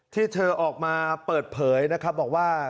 ที่เธอออกมาเปิดเผยบอกว่า